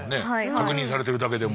確認されてるだけでも。